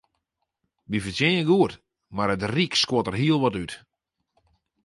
Wy fertsjinje goed, mar it ryk skuort der hiel wat út.